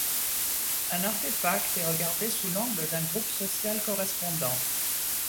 Un artefact est regardé sous l'angle d'un groupe social correspondant.